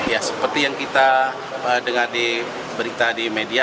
ya seperti yang kita dengar di berita di media